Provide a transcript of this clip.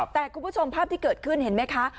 แต่คุณผู้ชมภาพที่เกิดขึ้นเห็นไหมคะ